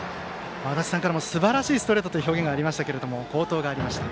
足達さんからも、すばらしいストレートという表現があった好投がありました。